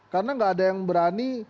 karena gak ada yang berani